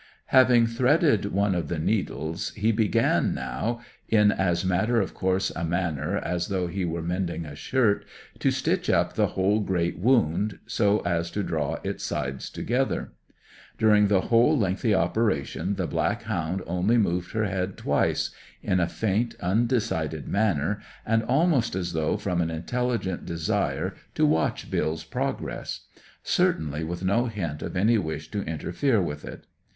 Having threaded one of the needles he began now, in as matter of course a manner as though he were mending a shirt, to stitch up the whole great wound so as to draw its sides together. During the whole lengthy operation the black hound only moved her head twice, in a faint, undecided manner, and almost as though from an intelligent desire to watch Bill's progress; certainly with no hint of any wish to interfere with it.